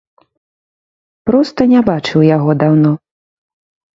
Проста не бачыў яго даўно.